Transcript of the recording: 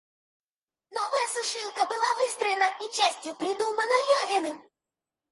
Новая сушилка была выстроена и частью придумана Левиным.